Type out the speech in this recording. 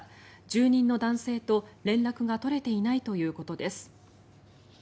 住人の男性と連絡が取れていないということです。